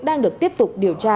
đang được tiếp tục điều tra